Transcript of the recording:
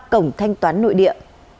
cổng thanh toán nội địa